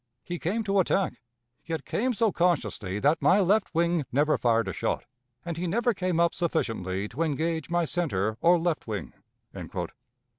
... He came to attack, yet came so cautiously that my left wing never fired a shot, and he never came up sufficiently to engage my center or left wing."